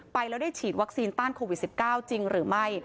ไปแล้วได้ฉีดวัคซีนต้านโควิด๑๙จริงหรือไม่